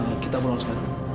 lagi kita berurusan